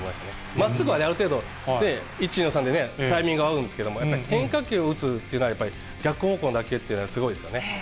まっすぐはある程度、１、２の３でタイミング合うんですけど、やっぱり変化球を打つっていうのは、逆方向っていうのは、すごいですよね。